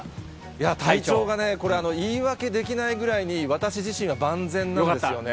いや、体調がね、これ、言い訳できないぐらいに、私自身は万全なんですよね。